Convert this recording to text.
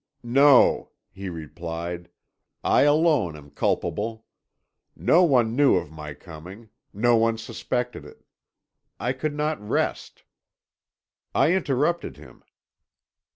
"'No,' he replied; 'I alone am culpable. No one knew of my coming no one suspected it. I could not rest.' "I interrupted him.